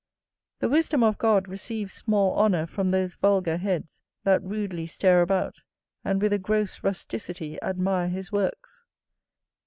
The wisdom of God receives small honour from those vulgar heads that rudely stare about, and with a gross rusticity admire his works.